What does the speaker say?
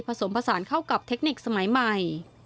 ผสมผสานเข้ากับเทคนิคสมัยใหม่